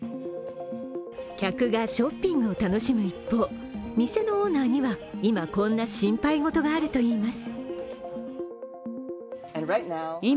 客がショッピングを楽しむ一方、店のオーナーには今、こんな心配事があるといいます。